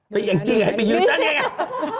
ไปแอ้งจี้ไงไปยืนตั้งนี้ไง